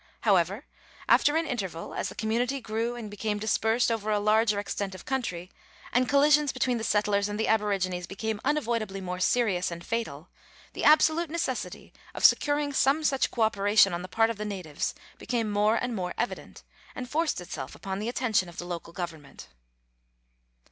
However, after an interval, as the community grew and became dispersed over a larger extent of country, and collisions between the settlers and the aborigines became unavoidably more serious and fatal, the absolute necessity of securing some such co operation on the part of the natives became more and more evident, and forced itself upon the attention of the local Government.